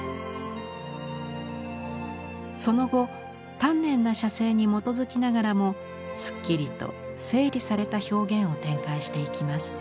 その後丹念な写生に基づきながらもすっきりと整理された表現を展開していきます。